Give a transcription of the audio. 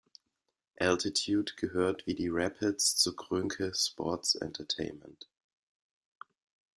Altitude gehört, wie die Rapids, zu Kroenke Sports Entertainment.